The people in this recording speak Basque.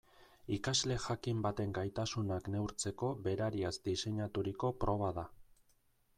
Ikasle jakin baten gaitasunak neurtzeko berariaz diseinaturiko proba da.